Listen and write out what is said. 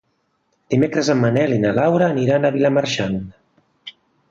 Dimecres en Manel i na Laura aniran a Vilamarxant.